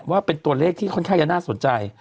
ว่าเป็นตัวเลขที่ค่อนข้างจะน่าสนใจ